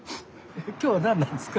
今日は何なんですか？